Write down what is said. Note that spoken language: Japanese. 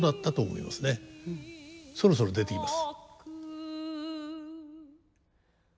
そろそろ出てきます。